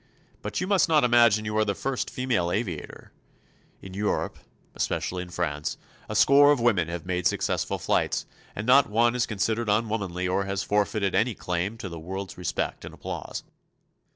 But you must not imagine you are the first female aviator. In Europe—especially in France—a score of women have made successful flights, and not one is considered unwomanly or has forfeited any claim to the world's respect and applause."